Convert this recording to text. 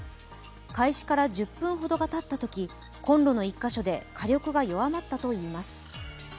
開始から１０分ほどがたったときコンロの１か所で火力が弱まったといいます。